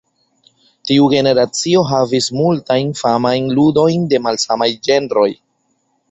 Tiu generacio havis multajn famajn ludojn de malsamaj ĝenroj.